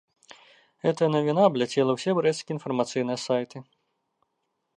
Гэтая навіна абляцела ўсе брэсцкія інфармацыйныя сайты.